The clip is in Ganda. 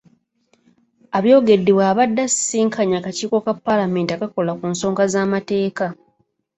Abyogedde bw'abadde asisinkanye akakiiko ka Paalamenti akakola ku nsonga z'amateeka.